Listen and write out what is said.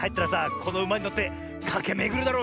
このうまにのってかけめぐるだろうねえ。